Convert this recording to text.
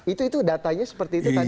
itu datanya seperti itu tadi pak bondar